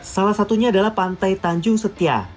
salah satunya adalah pantai tanjung setia